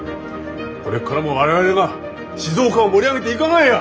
これっからも我々が静岡を盛り上げていかまいや！